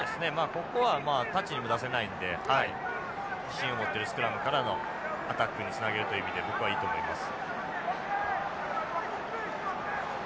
ここはまあタッチにも出せないので自信を持っているスクラムからのアタックにつなげるという意味でここはいいと思います。